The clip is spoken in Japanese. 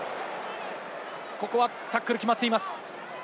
ここはタックル、決まっています。